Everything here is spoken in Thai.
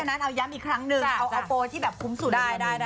เพราะฉะนั้นเอาย้ำอีกครั้งหนึ่งเอาโปรที่คุ้มสุดเลย